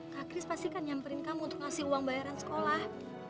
kak chris pasti akan nyamperin kamu untuk ngasih uang bayaran sekolah